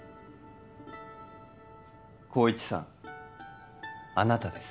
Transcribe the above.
功一さんあなたです